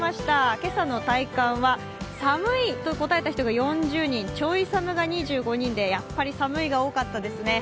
今朝の体感は、寒いと答えた人が４０人、ちょい寒が２５人で、やっぱり寒いが多かったですね。